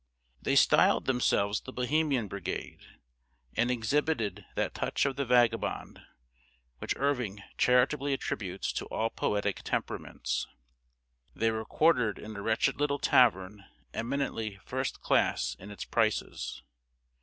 They styled themselves the Bohemian Brigade, and exhibited that touch of the vagabond which Irving charitably attributes to all poetic temperaments. They were quartered in a wretched little tavern eminently First Class in its prices.